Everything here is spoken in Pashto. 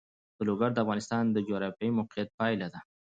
لوگر د افغانستان د جغرافیایي موقیعت پایله ده.